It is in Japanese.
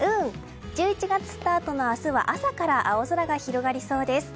１１月スタートの明日は朝から青空が広がりそうです。